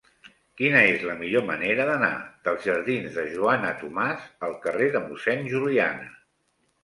Quina és la millor manera d'anar dels jardins de Joana Tomàs al carrer de Mossèn Juliana?